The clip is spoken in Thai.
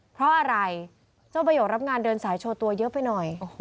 เพราะอะไรเจ้าประโยชนรับงานเดินสายโชว์ตัวเยอะไปหน่อย